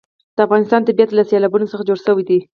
د افغانستان طبیعت له سیلابونه څخه جوړ شوی دی.